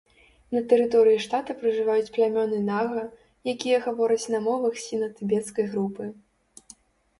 На тэрыторыі штата пражываюць плямёны нага, якія гавораць на мовах сіна-тыбецкай групы.